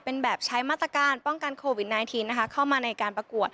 เป็นแบบใช้มาตรการป้องกันโควิด๑๙นะคะเข้ามาในการประกวด